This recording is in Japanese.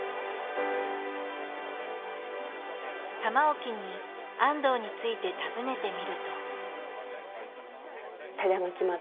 玉置に安藤について尋ねてみると。